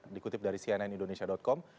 dikutip dari cnn indonesia com